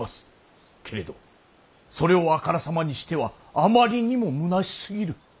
けれどそれをあからさまにしてはあまりにもむなしすぎる。